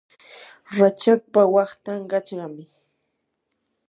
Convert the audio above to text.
rachakpa waqtan qachqami.